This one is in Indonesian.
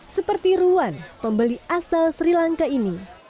seperti ruan pembeli asal sri lanka ini